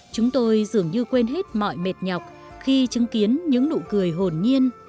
chúng tôi dường như quên hết mọi mệt nhọc khi chứng kiến những nụ cười hồn nhiên